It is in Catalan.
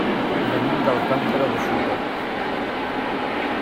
Venim d'Alcàntera de Xúquer.